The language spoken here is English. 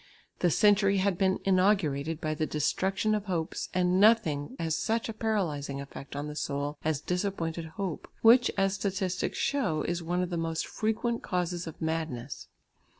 The century had been inaugurated by the destruction of hopes, and nothing has such a paralysing effect on the soul as disappointed hope, which, as statistics show, is one of the most frequent causes of madness.